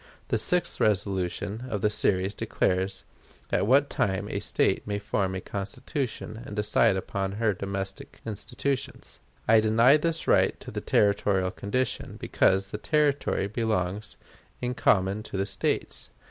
The sixth resolution of the series declares at what time a State may form a Constitution and decide upon her domestic institutions. I deny this right to the territorial condition, because the Territory belongs in common to the States.